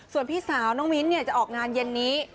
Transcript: ส่วนพี่สาวน้องมิ้นจะออกงานเย็นนี้